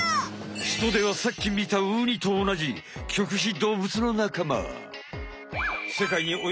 ヒトデはさっきみたウニとおなじ棘皮動物のなかま。